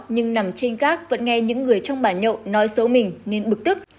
nhưng nằm trên gác vẫn nghe những người trong bản nhậu nói xấu mình nên bực tức